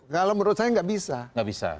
kalau menurut saya gak bisa